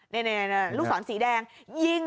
นี่ลูกศรสีแดง